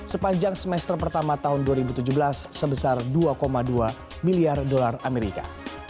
sepanjang semester pertama tahun dua ribu tujuh belas sebesar dua dua miliar dolar amerika